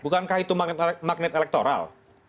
bukankah itu magnet elektoral